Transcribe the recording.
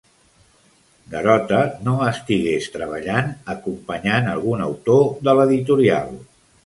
Garota no estigués treballant, acompanyant algun autor de l'editorial.